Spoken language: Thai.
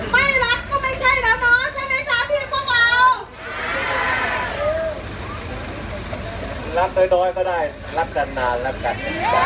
ไม่รักก็ไม่ใช่แล้วเนาะใช่ไหมคะพี่พวกเรา